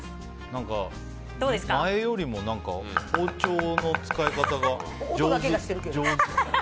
何か、前よりも包丁の使い方が上手。